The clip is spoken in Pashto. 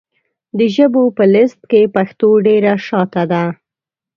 د ژبو په لېسټ کې پښتو ډېره شاته ده .